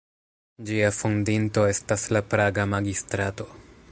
Ĝia fondinto estas la praga magistrato.